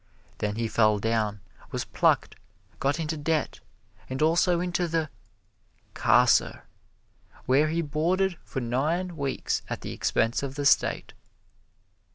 Then he fell down, was plucked, got into debt, and also into the "carcer," where he boarded for nine weeks at the expense of the State.